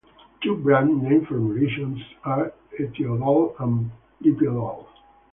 Two brand name formulations are ethiodol and lipiodol.